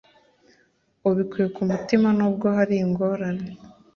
ubikuye ku mutima Nubwo hari ingorane